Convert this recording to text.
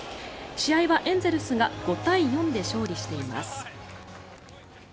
試合はエンゼルスが５対４で勝利しています。